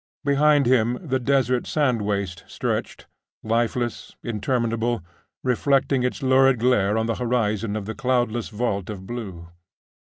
Behind him the desert sand waste stretched, lifeless, interminable, reflecting its lurid glare on the horizon of the cloudless vault of blue.